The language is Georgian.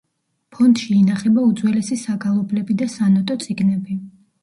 ფონდში ინახება უძველესი საგალობლები და სანოტო წიგნები.